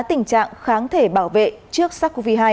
tình trạng kháng thể bảo vệ trước sars cov hai